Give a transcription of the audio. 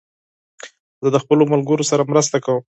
زه د خپلو ملګرو سره مرسته کوم.